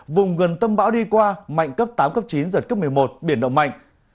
vùng gần tâm bão đi qua mạnh cấp tám cấp chín giật cấp một mươi một biển động mạnh